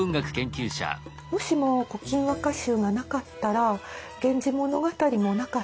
もしも「古今和歌集」がなかったら「源氏物語」もなかった。